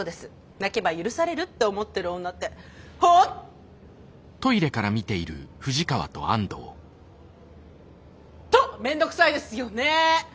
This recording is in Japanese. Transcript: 泣けば許されるって思ってる女ってホンット面倒くさいですよね。